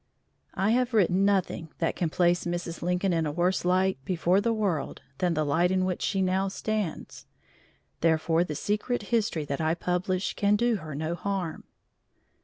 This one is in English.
I have written nothing that can place Mrs. Lincoln in a worse light before the world than the light in which she now stands, therefore the secret history that I publish can do her no harm.